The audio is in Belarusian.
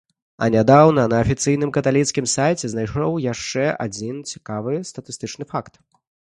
А нядаўна на афіцыйным каталіцкім сайце знайшоў яшчэ адзін цікавы статыстычны факт.